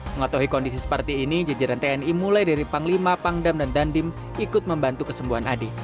mengatauhi kondisi seperti ini jajaran tni mulai dari panglima pangdam dan dandim ikut membantu kesembuhan ade